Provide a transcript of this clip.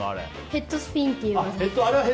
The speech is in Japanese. ヘッドスピンっていう技です。